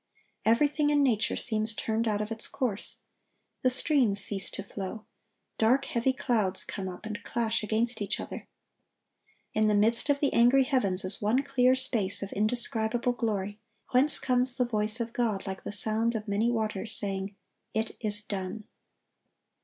Everything in nature seems turned out of its course. The streams cease to flow. Dark, heavy clouds come up, and clash against each other. In the midst of the angry heavens is one clear space of indescribable glory, whence comes the voice of God like the sound of many waters, saying, "It is done."